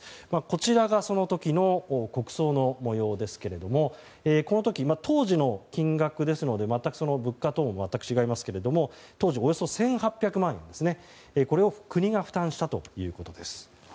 こちらが、その時の国葬の模様ですがこの時、当時の金額ですので全く物価等も違いますけれども当時およそ１８００万円を国が負担したということです。